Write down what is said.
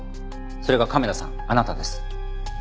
それが亀田さんあなたです。